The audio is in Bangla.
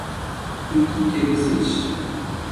তুই কি কেদেছিস?